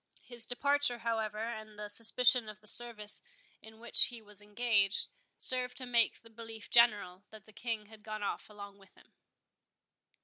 His departure, however, and the suspicion of the service in which he was engaged, served to make the belief general, that the King had gone off along with him.